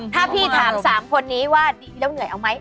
ถ้าพี่ถาม๓คนนี้ว่าดีแล้วเหนื่อยเอาไหม